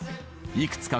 いくつか